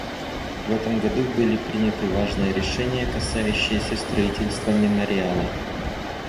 В этом году были приняты важные решения, касающиеся строительства мемориала.